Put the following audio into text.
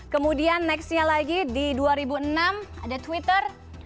kemudian nextnya lagi di dua ribu enam ada twitter